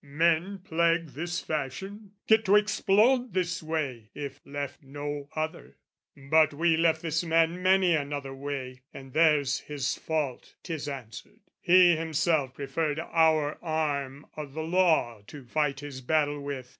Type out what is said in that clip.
Men, plagued this fashion, get to explode this way, If left no other. "But we left this man "Many another way, and there's his fault," 'Tis answered "He himself preferred our arm "O' the law to fight his battle with.